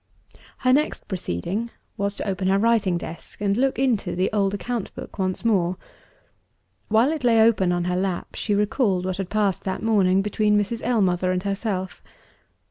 Her next proceeding was to open her writing desk, and look into the old account book once more. While it lay open on her lap, she recalled what had passed that morning, between Mrs. Ellmother and herself.